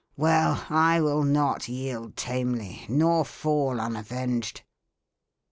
Well, I will not yield tamely, nor fall unavenged."